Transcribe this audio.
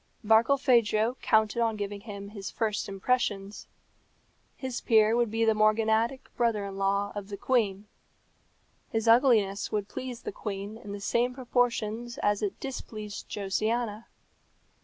Barkilphedro counted on giving him his first impressions. His peer would be the morganatic brother in law of the queen. His ugliness would please the queen in the same proportion as it displeased Josiana.